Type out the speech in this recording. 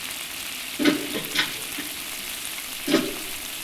荃湾线以北端的总站设于荃湾站而命名。